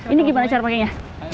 ini gimana cara pakenya